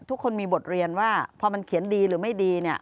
ทุกคนมีบทเรียนว่าพอมันเขียนดีหรือไม่ดี